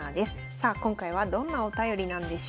さあ今回はどんなお便りなんでしょうか。